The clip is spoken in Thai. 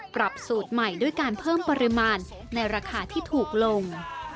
ปรับสูตรใหม่ด้วยการเพิ่มปริมาณในราคาที่ถูกลง